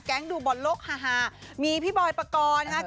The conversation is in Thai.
แก๊งดูบ่นโลกฮาฮามีพี่บอยปกรณ์นะฮะ